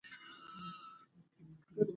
اداري مقررات د خدمت د اسانتیا سبب کېږي.